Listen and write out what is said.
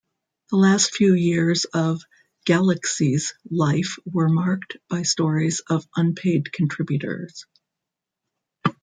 The last few years of "Galaxy"s life were marked by stories of unpaid contributors.